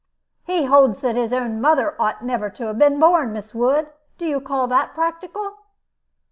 "He holds that his own mother ought never to have been born! Miss Wood, do you call that practical?"